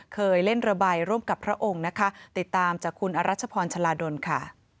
เคยเล่นระบายร่วมกับพระองค์นะคะติดตามจากคุณอรัชพรชลาดลค่ะ